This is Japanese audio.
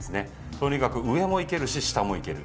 とにかく上も行けるし下も行ける。